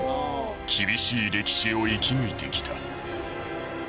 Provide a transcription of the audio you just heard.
厳しい歴史を生き抜いてきた。